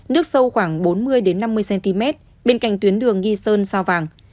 nước sâu khoảng bốn mươi năm mươi cm bên cạnh tuyến đường nghi sơn sao vàng